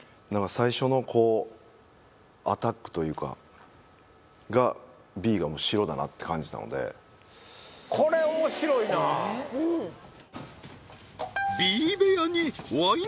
最初のアタックというかがＢが白だなって感じたのでこれ面白いなＢ部屋にワイン